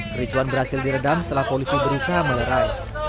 kericuan berhasil diredam setelah polisi berusaha melerai